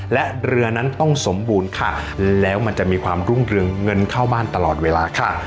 และเรือนั้นต้องสมบูรณ์ค่ะแล้วมันจะมีความรุ่งเรืองเงินเข้าบ้านตลอดเวลาค่ะ